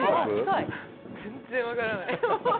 全然わからない。